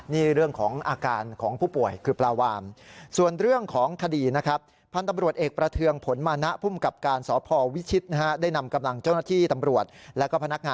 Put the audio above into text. นี่คือเรื่องอาการของผู้ป่วยคือปลาวาร์ม